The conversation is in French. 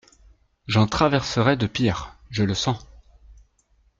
—«J’en traverserai de pires, je le sens.